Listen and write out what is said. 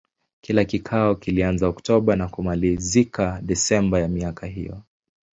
Kila kikao kilianza Oktoba na kumalizika Desemba ya miaka hiyo.